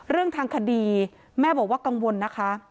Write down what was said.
เรื่องทางคดีแม่บอกว่ากังวลนะคะ